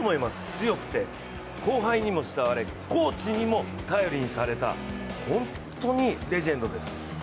強くて、後輩にも慕われ、コーチにも頼りにされた、本当レジェンドです。